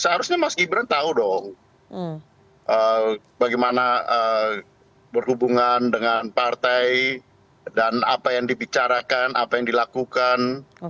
seharusnya mas gibran tahu dong bagaimana berhubungan dengan partai dan apa yang dibicarakan apa yang dilakukan